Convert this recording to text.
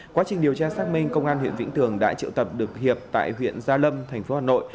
quá trình điều tra xác minh công an huyện vĩnh tường đã triệu tập được hiệp tại huyện gia lâm thành phố hà nội